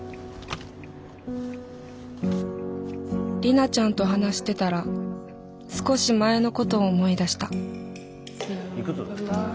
里奈ちゃんと話してたら少し前のことを思い出したいくつ？